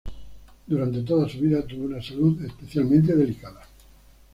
Durante toda su vida tuvo una salud especialmente delicada.